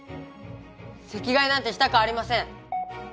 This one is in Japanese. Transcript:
席替えなんてしたくありません！